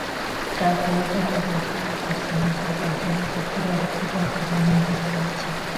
তার পরও তারা অবৈধভাবে পশ্চিমাঞ্চল কার্যালয় চত্বরে আরেকটি কার্যালয় নির্মাণ করছে।